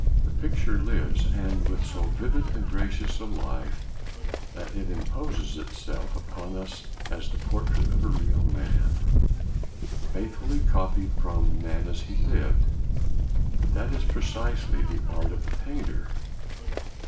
The picture lives, and with so vivid and gracious a life that it imposes itself upon us as the portrait of a real man, faithfully copied from the man as he lived. But that is precisely the art of the painter.